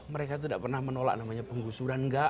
mereka tidak pernah menolak namanya penggusuran enggak